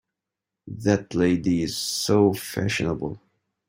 That lady is so fashionable!